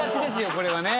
これはね。